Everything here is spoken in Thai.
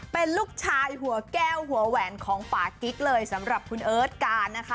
เป็นลูกชายหัวแก้วหัวแหวนของปากิ๊กเลยสำหรับคุณเอิร์ทการนะคะ